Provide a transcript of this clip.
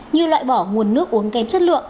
như loại bỏ nguồn nước uống kém chất lượng